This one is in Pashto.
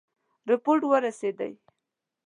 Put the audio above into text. رپوټ ورسېدی.